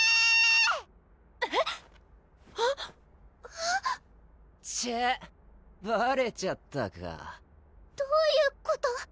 えっ⁉ちぇっバレちゃったかどういうこと？